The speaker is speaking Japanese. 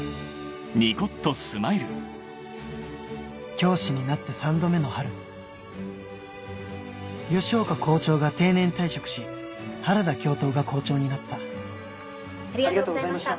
教師になって３度目の春吉岡校長が定年退職し原田教頭が校長になったありがとうございました。